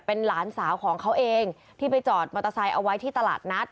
เป็นหลานสาวของเขาเองที่ไปจอดมอเตอร์ไซค์เอาไว้ที่ตลาดนัด